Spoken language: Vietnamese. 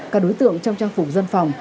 các đối tượng trong trang phục dân phòng